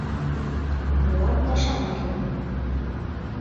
Молан пашам уке?